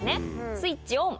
スイッチオン。